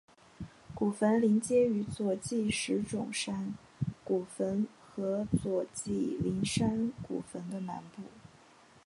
古坟邻接于佐纪石冢山古坟和佐纪陵山古坟的南部。